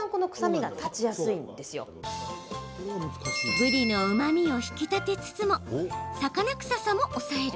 ぶりのうまみを引き立てつつも魚臭さも抑える。